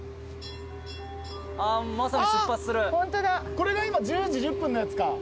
これが今１０時１０分のやつか。